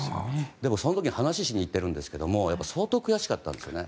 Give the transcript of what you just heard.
その時に話をしに行っているんですけど相当、悔しかったんですよね。